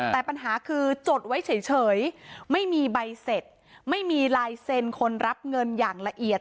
แต่ปัญหาคือจดไว้เฉยไม่มีใบเสร็จไม่มีลายเซ็นคนรับเงินอย่างละเอียด